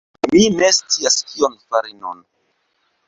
Mi ne scias kion fari nun.